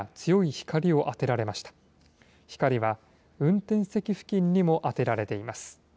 光は運転席付近にも当てられています。